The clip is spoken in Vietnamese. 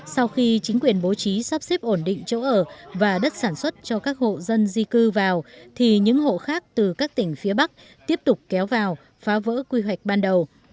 sau khi chính quyền bố trí sắp xếp ổn định chỗ ở và đất sản xuất cho các hộ dân di cư vào thì những hộ khác từ các tỉnh phía bắc tiếp tục kéo vào phá vỡ quy hoạch ban đầu